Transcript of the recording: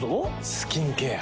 スキンケア。